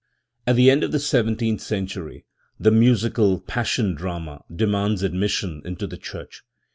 At the end of the seventeenth century the musical Pas sion drama demands admission into the church.